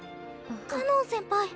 かのん先輩。